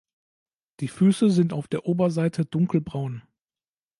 Die Füße sind auf der Oberseite dunkelbraun.